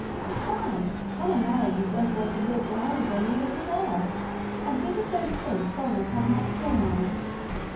Besides, Hannah married and went away to live when I was only a little girl. I really don't think Donald has much claim on us.